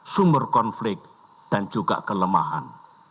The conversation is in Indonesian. sumber konflik dan juga kelemahan